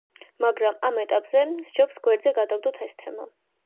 მაგრამ ამ ეტაპზე, სჯობს გვერდზე გადავდოთ ეს თემა.